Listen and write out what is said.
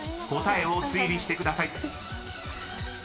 ［答えを推理してください］